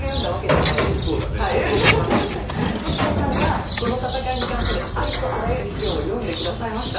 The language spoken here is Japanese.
時田さんがこの戦いに関するありとあらゆる史料を読んで下さいました。